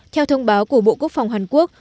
theo thông báo của bộ quốc phòng hàn quốc